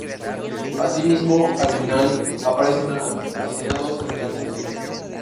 Asimismo al final, aparecen hacinados en la cúpula.